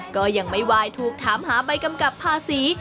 ก็ยังไม่วายถูกถามหาใบกำกับภาษี